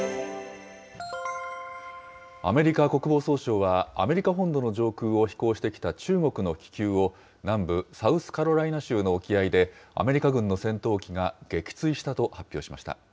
アメリカ国防総省は、アメリカ本土の上空を飛行してきた中国の気球を、南部サウスカロライナ州の沖合でアメリカ軍の戦闘機が撃墜したと発表しました。